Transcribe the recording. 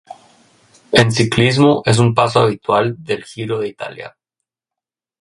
En ciclismo, es un paso habitual del Giro de Italia.